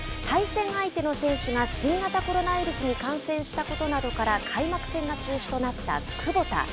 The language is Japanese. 対戦相手の選手が新型コロナウイルスに感染したことなどから開幕戦が中止となったクボタ。